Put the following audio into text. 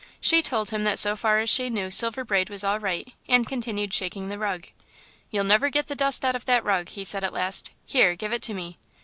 She told him that so far as she knew Silver Braid was all right, and continued shaking the rug. "You'll never get the dust out of that rug," he said at last, "here, give it to me."